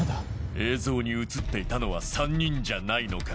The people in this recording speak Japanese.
映像に映っていたのは３人じゃないのか？